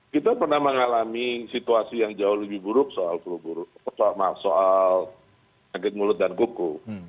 kita pernah mengalami situasi yang jauh lebih buruk soal flu burung maaf soal kaget mulut dan kuku